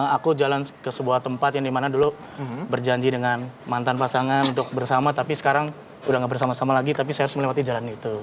aku jalan ke sebuah tempat yang dimana dulu berjanji dengan mantan pasangan untuk bersama tapi sekarang udah gak bersama sama lagi tapi saya harus melewati jalan itu